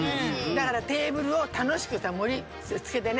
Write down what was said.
だからテーブルをたのしくさもりつけてね。